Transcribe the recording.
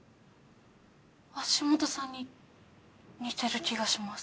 橋本さんに似てる気がします。